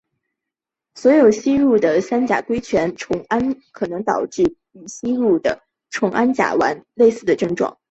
所以吸入三甲基硅烷化重氮甲烷可能也会导致与吸入重氮甲烷类似的症状。